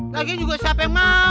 lagi juga siapa yang mau